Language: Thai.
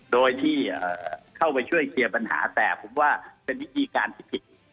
โดยที่เข้าไปช่วยเคลียร์ปัญหาแต่ผมว่าเป็นวิธีการที่ผิด